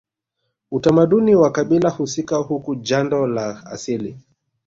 Utamaduni wa kabila husika huku jando la asili